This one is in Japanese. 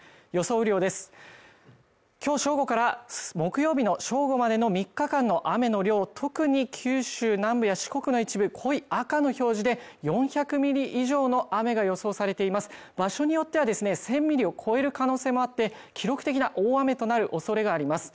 雨量です今日正午から木曜日の正午までの３日間の雨の量特に九州南部や四国の一部濃い赤の表示で４００ミリ以上の雨が予想されています場所によってはですね１０００ミリを超える可能性もあって記録的な大雨となる恐れがあります